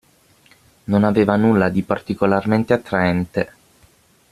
Non aveva nulla di particolarmente attraente.